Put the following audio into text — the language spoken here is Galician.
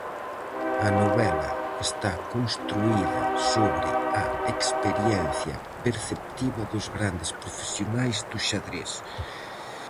A novela está construída sobre a experiencia perceptiva dos grandes profesionais do xadrez.